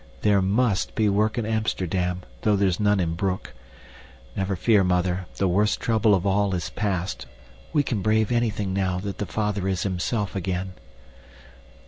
There MUST be work in Amsterdam, though there's none in Broek. Never fear, Mother, the worst trouble of all is past. We can brave anything now that the father is himself again."